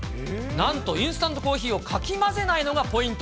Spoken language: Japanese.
なんとインスタントコーヒーをかき混ぜないのがポイント。